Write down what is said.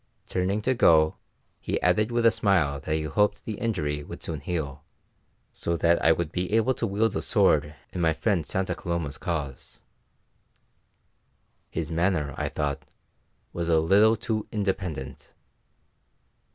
Turning to go, he added with a smile that he hoped the injury would soon heal, so that I would be able to wield a sword in my friend Santa Coloma's cause. His manner, I thought, was a little too independent.